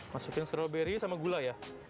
masukin stroberi sama gula ya